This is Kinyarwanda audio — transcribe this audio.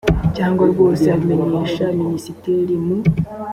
cyangwa rwose abimenyesha minisitiri mu